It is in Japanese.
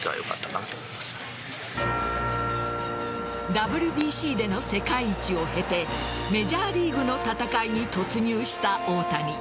ＷＢＣでの世界一を経てメジャーリーグの戦いに突入した大谷。